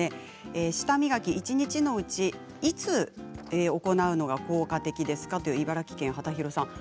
舌磨き、一日のうちいつ行うのが効果的ですか？という茨城県の方からです。